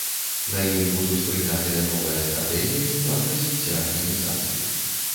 На ім будуць прынятыя новая стратэгія і план развіцця арганізацыі.